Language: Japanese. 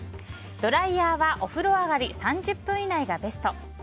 ドライヤーはお風呂上がり３０分以内がベスト。